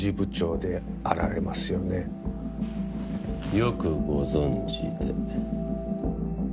よくご存じで。